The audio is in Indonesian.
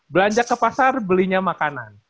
belanja ke pasar belinya makanan